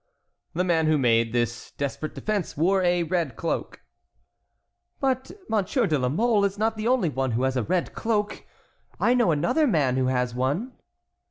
"The man who made this desperate defence wore a red cloak." "But Monsieur de la Mole is not the only one who has a red cloak—I know another man who has one."